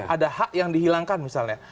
ada hak yang dihilangkan misalnya